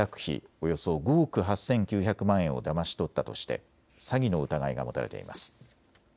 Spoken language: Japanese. およそ５億８９００万円をだまし取ったとして詐欺の疑いが持たれています。